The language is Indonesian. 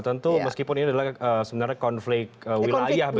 tentu meskipun ini adalah sebenarnya konflik wilayah